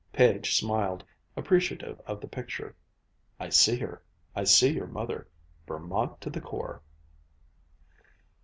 Page smiled, appreciative of the picture. "I see her. I see your mother Vermont to the core."